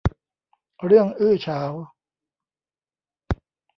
เรื่องอื้อฉาว